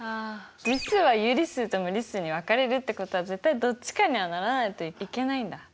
実数は有理数と無理数に分かれるってことは絶対どっちかにならないといけないんだ。